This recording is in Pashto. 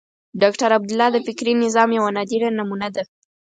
ډاکټر عبدالله د فکري نظام یوه نادره نمونه ده.